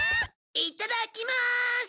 いただきます！